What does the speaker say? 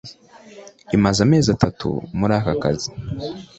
imaze amezi atatu muri aka kazi.